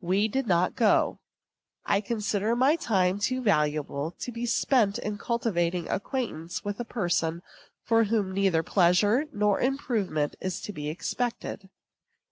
We did not go. I consider my time too valuable to be spent in cultivating acquaintance with a person from whom neither pleasure nor improvement is to be expected.